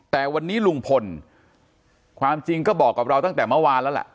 แต่วันนี้ลุงพลความจริงก็บอกกับเราตั้งแต่เมื่อวานแล้วล่ะ